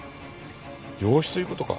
養子という事か。